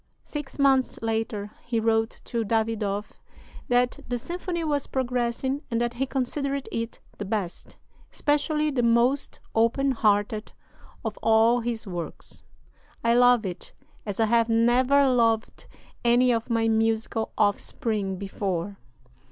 Six months later he wrote to Davidoff that the symphony was progressing, and that he considered it the best especially "the most open hearted" of all his works. "I love it as I have never loved any of my musical offspring before."